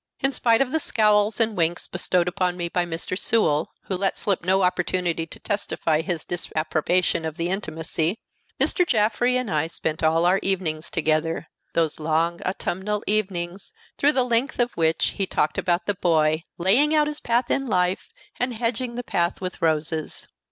In spite of the scowls and winks bestowed upon me by Mr. Sewell, who let slip no opportunity to testify his disapprobation of the intimacy, Mr. Jaffrey and I spent all our evenings together those long autumnal evenings, through the length of which he talked about the boy, laying out his path in life and hedging the path with roses.